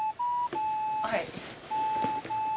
はい。